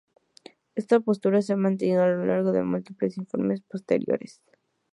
Esta postura se ha mantenido a lo largo de múltiples informes posteriores.